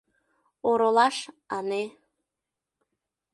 Оролаш, ане...